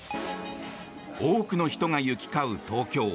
多くの人が行き交う東京。